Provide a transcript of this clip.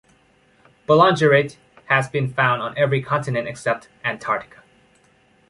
Boulangerite has been found on every continent except Antarctica.